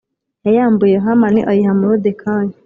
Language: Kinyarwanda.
Yayambuye Hamani ayiha Moridekayi.